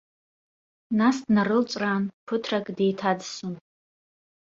Нас днарылҵәраан, ԥыҭрак деиҭаӡсон.